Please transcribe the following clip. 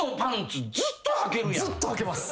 ずっとはけます。